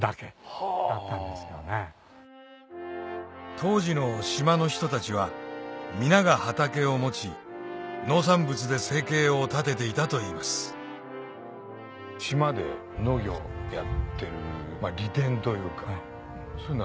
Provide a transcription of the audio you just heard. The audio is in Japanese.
当時の島の人たちは皆が畑を持ち農産物で生計を立てていたといいます風が強い。